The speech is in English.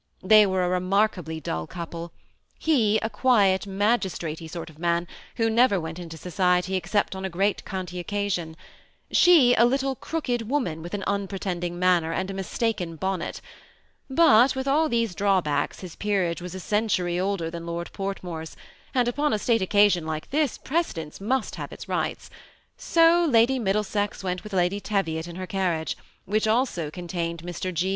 They wgre a remarkably dull couple : he, a quiet, magistraty sort of man, who never went into society except on a great county occa sion ; she, a little crooked woman, with an unpretend ing manner and a mistaken bonnet ; but with all these drawbacks his peerage was a century older than Lord Portmore's, and upon a state occasion like this prece dence must have its rights : so Lady Middlesex went with Lady Teviot in her carriage, which also contained Mr. G.